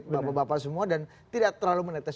bapak bapak semua dan tidak terlalu menetes